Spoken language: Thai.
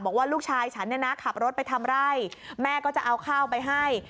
บอกว่าลูกชายฉันเนี่ยนะขับรถไปทำไร่แม่ก็จะเอาข้าวไปให้